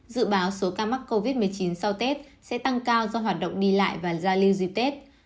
dự báo số ca mắc covid một mươi chín sau tết sẽ tăng cao do hoạt động đi lại và giao lưu dịp tết